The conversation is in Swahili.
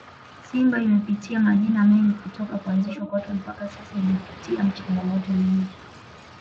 Simba imepitia majina mengi toka kuanzishwa kwake mpaka sasa imepitia changamoto nyingi